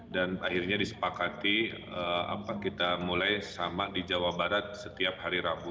dan akhirnya disepakati kita mulai sama di jawa barat setiap hari rabu